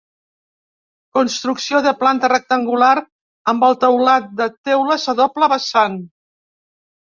Construcció de planta rectangular amb el teulat de teules a doble vessant.